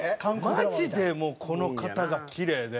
マジでこの方がキレイで。